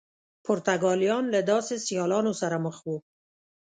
پرتګالیان له داسې سیالانو سره مخ وو.